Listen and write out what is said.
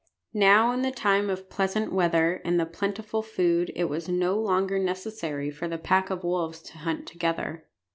Now in the time of pleasant weather and the plentiful food it was no longer necessary for the pack of wolves to hunt together.